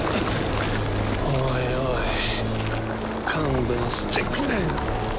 おいおい勘弁してくれよ。